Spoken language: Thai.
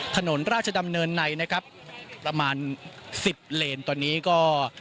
ถนนราชดำเนินในนะครับประมาณสิบเลนตอนนี้ก็